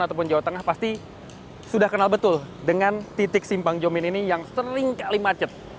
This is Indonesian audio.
ataupun jawa tengah pasti sudah kenal betul dengan titik simpang jomin ini yang seringkali macet